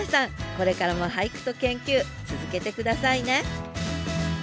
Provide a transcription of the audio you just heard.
これからも俳句と研究続けて下さいね！